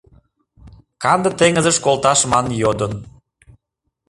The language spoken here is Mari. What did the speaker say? Канде теҥызыш колташ ман йодын